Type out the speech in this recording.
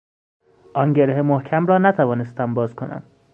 آن گره محکم را نتوانستم باز کنم